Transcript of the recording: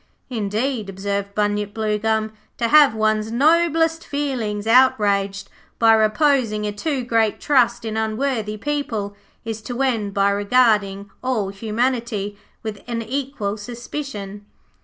'Indeed,' observed Bunyip Bluegum, 'to have one's noblest feelings outraged by reposing a too great trust in unworthy people, is to end by regarding all humanity with an equal suspicion.'